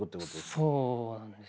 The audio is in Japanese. そうなんです。